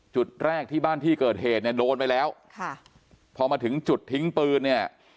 จุดแรกที่บ้านที่เกิดเหตุเนี่ยโดนไปแล้วค่ะพอมาถึงจุดทิ้งปืนเนี่ย